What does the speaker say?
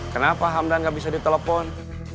kenapa hamdan nggak bisa ditelepon